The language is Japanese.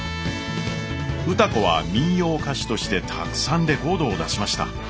歌子は民謡歌手としてたくさんレコードを出しました。